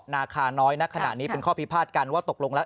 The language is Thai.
นาคาน้อยณขณะนี้เป็นข้อพิพาทกันว่าตกลงแล้ว